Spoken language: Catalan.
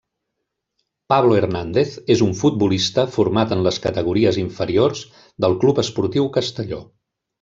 Pablo Hernández és un futbolista format en les categories inferiors del Club Esportiu Castelló.